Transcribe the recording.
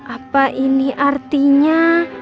apa ini artinya